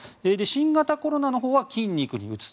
新型コロナのほうは筋肉に打つ。